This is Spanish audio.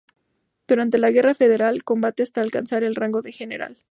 Durante la Guerra Federal combate hasta alcanzar el rango de general.